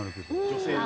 女性の。